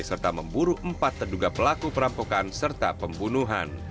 serta memburu empat terduga pelaku perampokan serta pembunuhan